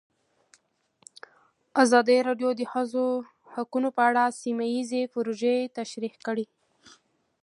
ازادي راډیو د د ښځو حقونه په اړه سیمه ییزې پروژې تشریح کړې.